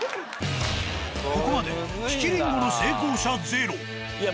ここまで利きりんごの成功者０。